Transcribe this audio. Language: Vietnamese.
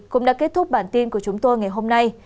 cũng đã kết thúc bản tin của chúng tôi ngày hôm nay